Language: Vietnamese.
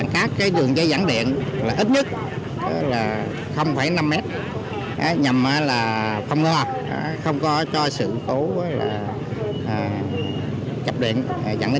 các đường dây dẫn điện là ít nhất năm m nhầm là không lo không cho sự cố